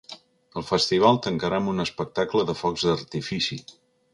El festival tancarà amb un espectacle de focs d’artifici.